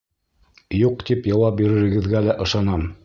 Юҡ, тип яуап биререгеҙгә лә ышанам.